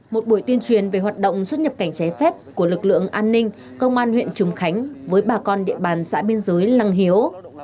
một buổi tuyên truyền về hoạt động xuất nhập cảnh trái phép của lực lượng an ninh công an huyện trùng khánh với bà con địa bàn xã biên giới lăng hiếu